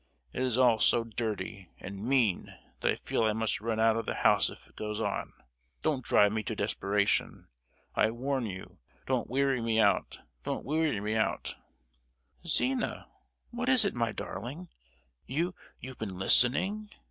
It is all so dirty and mean that I feel I must run out of the house if it goes on. Don't drive me to desperation! I warn you—don't weary me out—don't weary me out!" "Zina—what is it, my darling? You—you've been listening?"